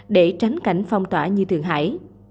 để tránh cảnh phong tỏa như thượng hải